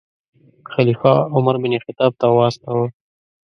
خلیفه عمر بن خطاب ته واستاوه.